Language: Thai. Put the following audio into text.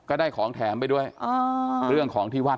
ได้ของแถมไปด้วยเรื่องของที่วัด